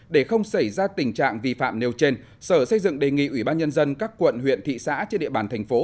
để không xảy ra tình trạng vi phạm nêu trên sở xây dựng đề nghị ubnd các quận huyện thị xã trên địa bàn thành phố